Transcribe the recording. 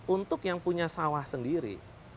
untuk yang punya sawah sendiri